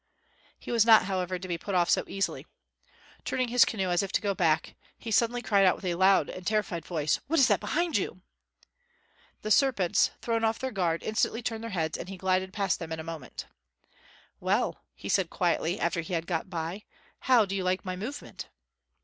He was not, however, to be put off so easily. Turning his canoe as if about to go back, he suddenly cried out with a loud and terrified voice: "What is that behind you?" The serpents, thrown off their guard, instantly turned their heads, and he glided past them in a moment. "Well," said he quietly, after he had got by, "how do you like my movement?"